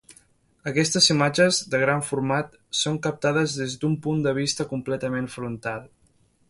Aquestes imatges, de gran format, són captades des d'un punt de vista completament frontal.